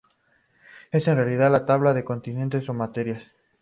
Es en realidad la tabla de contenidos o de materias.